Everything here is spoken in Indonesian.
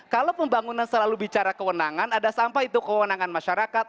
kalau pembangunan selalu bicara kewenangan ada sampah itu kewenangan masyarakat